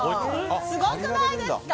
すごくないですか？